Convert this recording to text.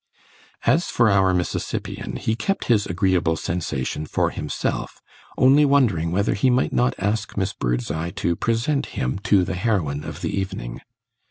As for our Mississippian he kept his agreeable sensation for himself, only wondering whether he might not ask Miss Birdseye to present him to the heroine of the evening.